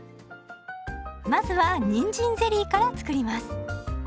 まずはにんじんゼリーから作ります。